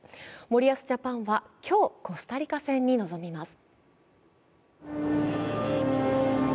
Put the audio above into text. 森保ジャパンは今日、コスタリカ戦に臨みます。